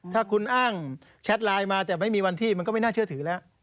ถ้าคุณอ้างแชทไลน์มาแต่ไม่มีวันที่มันก็ไม่น่าเชื่อถือแล้ว